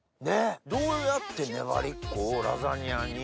どうやってねばりっこをラザニアに？